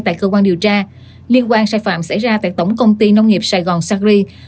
tại cơ quan điều tra liên quan sai phạm xảy ra tại tổng công ty nông nghiệp sài gòn sacri